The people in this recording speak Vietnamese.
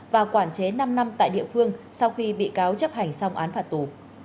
và quản chế năm năm tại địa phương sau khi bị cáo chấp hành xong án phạt tù